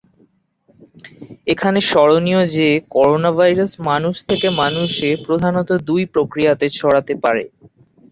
এখানে স্মরণীয় যে, করোনাভাইরাস মানুষ-থেকে-মানুষে প্রধানত দুই প্রক্রিয়াতে ছড়াতে পারে।